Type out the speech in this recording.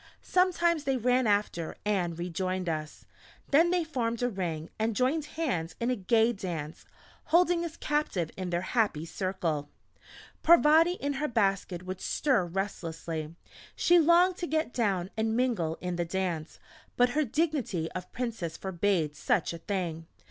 Sometimes they ran after, and rejoined us. Then they formed a ring and joined hands in a gay dance, holding us captive in their happy circle. Parvati in her basket would stir restlessly: she longed to get down and mingle in the dance, but her dignity of Princess forbade such a thing.